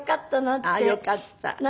あっよかった。